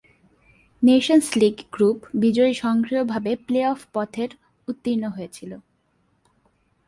Nations league group বিজয়ী স্বয়ংক্রিয়ভাবে playoff পথের উত্তীর্ণ হয়েছিল।